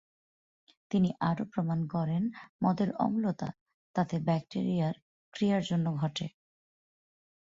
তিনি আরও প্রমাণ করেন মদের অম্লতা তাতে ব্যাক্টেরিয়ার ক্রিয়ার জন্য ঘটে।